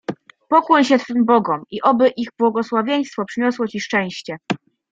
— Pokłoń się twym bogom i oby ich błogosławieństwo przyniosło ci szczęście.